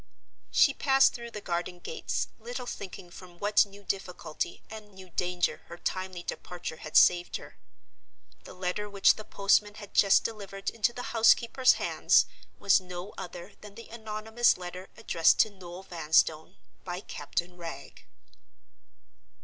She passed through the garden gates little thinking from what new difficulty and new danger her timely departure had saved her. The letter which the postman had just delivered into the housekeeper's hands was no other than the anonymous letter addressed to Noel Vanstone by Captain Wragge.